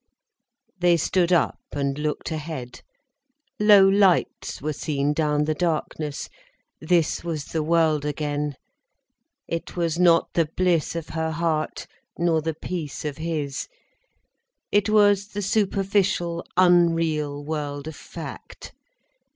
They stood up and looked ahead. Low lights were seen down the darkness. This was the world again. It was not the bliss of her heart, nor the peace of his. It was the superficial unreal world of fact.